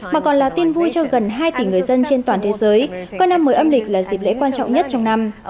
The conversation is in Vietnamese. mà còn là tin vui cho gần hai tỷ người dân trên toàn thế giới con năm mới âm lịch là dịp lễ quan trọng nhất trong năm